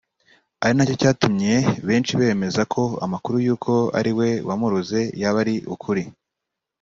ari nacyo cyatumye benshi bemeza ko amakuru y’uko ari we wamuroze yaba ari ukuri